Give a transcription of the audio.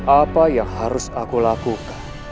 apa yang harus aku lakukan